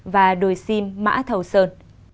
và đồi sim mã thầu sơn